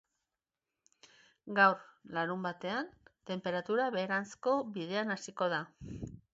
Gaur, larunbatean, tenperatura beheranzko bidean hasiko da.